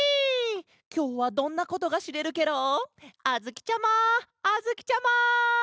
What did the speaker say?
きょうはどんなことがしれるケロ？あづきちゃまあづきちゃま！